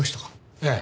ええ。